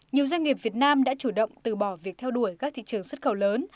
nhiều doanh nghiệp việt nam đã chủ động từ bỏ việc theo đuổi các thị trường xuất khẩu lớn